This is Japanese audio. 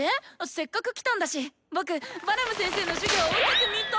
せっかく来たんだし僕バラム先生の授業を受けてみた？